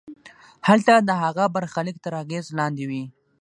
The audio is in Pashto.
هلته د هغه برخلیک تر اغېز لاندې وي.